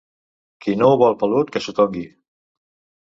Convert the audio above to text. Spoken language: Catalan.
Qui no ho vol pelut, que s'ho tongui.